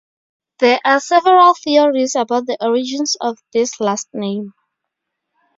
There are several theories about the origins of this last name.